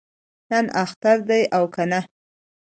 نن اختر دی او کنه؟